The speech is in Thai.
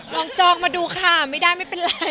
จองมาดูค่ะไม่ได้ไม่เป็นไร